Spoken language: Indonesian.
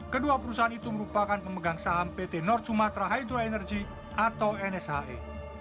kedua perusahaan itu merupakan pemegang saham pt north sumatra hydro energy atau nshe